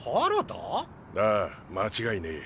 ああ間違いねぇ。